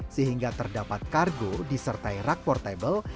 sehingga terdapat kargo disertai rak portable